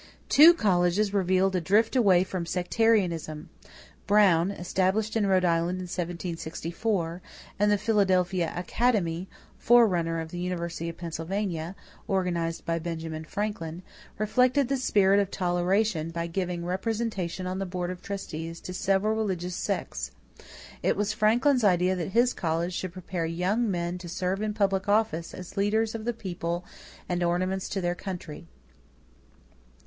Two colleges revealed a drift away from sectarianism. Brown, established in Rhode Island in 1764, and the Philadelphia Academy, forerunner of the University of Pennsylvania, organized by Benjamin Franklin, reflected the spirit of toleration by giving representation on the board of trustees to several religious sects. It was Franklin's idea that his college should prepare young men to serve in public office as leaders of the people and ornaments to their country.